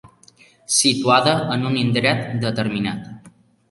Situada en un indret determinat.